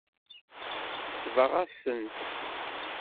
Tesbeɣ-asent-tt.